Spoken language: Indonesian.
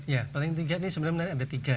ya paling tiga ini sebenarnya menarik ada tiga